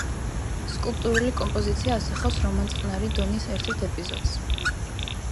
სკულპტურული კომპოზიცია ასახავს რომან წყნარი დონის ერთ-ერთ ეპიზოდს.